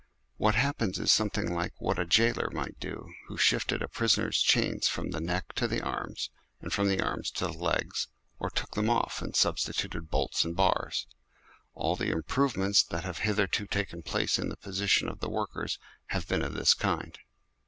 What happens is something like what a jailer might do who shifted a prisoner's chains from the neck to the arms, and from the arms to the legs, or took them off and substituted bolts and bars. All the improvements that have hitherto taken place in the position of the workers have been of this kind.